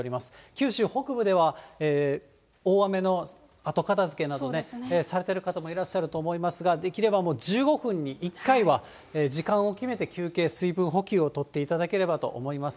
九州北部では、大雨の後片づけなどされている方もいらっしゃると思いますが、できれば１５分に１回は時間を決めて休憩、水分補給をとっていただければと思います。